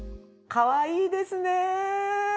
かわいいですね。